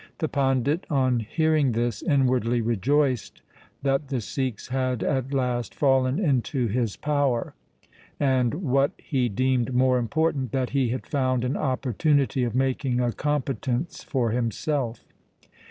The pandit, on hearing this, inwardly rejoiced that the Sikhs had at last fallen into his power, and, what he deemed more important, that he had found an opportunity of making a compe tence for himself.